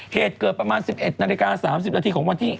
เหตุเกิดประมาณ๑๑นาฬิกา๓๐นาที